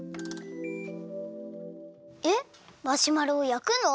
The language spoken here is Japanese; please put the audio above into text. えっマシュマロをやくの？